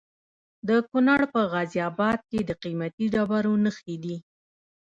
د کونړ په غازي اباد کې د قیمتي ډبرو نښې دي.